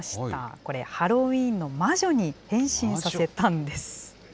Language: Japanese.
これ、ハロウィーンの魔女に変身させたんです。